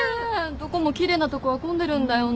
どこも奇麗なとこは混んでるんだよね